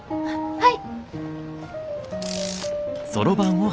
はい。